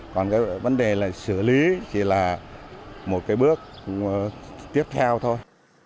còn cái vấn đề là xử lý thì là một cái bước tiếp theo thôi